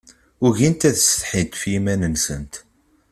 Ugint ad setḥint ɣef yiman-nsent.